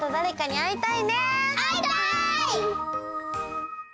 あいたい！